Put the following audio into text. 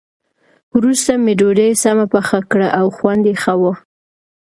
وروسته مې ډوډۍ سمه پخه کړه او خوند یې ښه و.